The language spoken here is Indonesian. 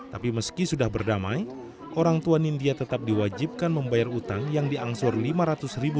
tapi meski sudah berdamai orang tua nindya tetap diwajibkan membayar utang yang diangsur rp lima ratus